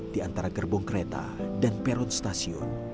di antara gerbong kereta dan peron stasiun